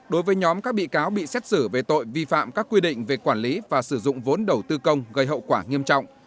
đối với nhóm các bị cáo bị xét xử về tội vi phạm các quy định về quản lý và sử dụng vốn đầu tư công gây hậu quả nghiêm trọng